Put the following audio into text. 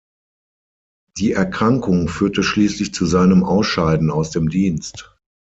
Die Erkrankung führte schließlich zu seinem Ausscheiden aus dem Dienst.